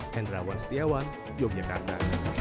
hendrawan setiawan yogyakarta